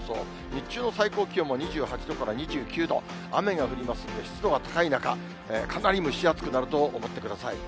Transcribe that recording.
日中の最高気温も２８度から２９度、雨が降りますんで、湿度が高い中、かなり蒸し暑くなると思ってください。